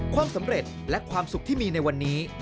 ความสำเร็จและความสุขที่มีในวันนี้